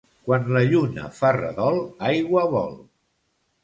Quan la lluna fa redol, aigua vol.